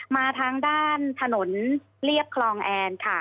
มาทางด้านถนนเรียบคลองแอนค่ะ